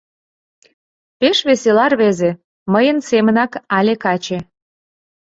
Пеш весела рвезе, мыйын семынак але каче.